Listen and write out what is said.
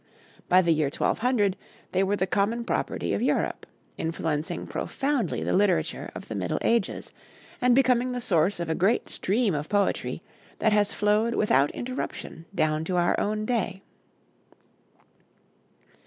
By the year 1200 they were the common property of Europe, influencing profoundly the literature of the Middle Ages, and becoming the source of a great stream of poetry that has flowed without interruption down to our own day.